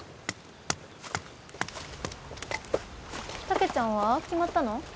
たけちゃんは決まったの？